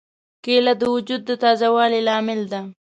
کېله د وجود د تازه والي لامل ده.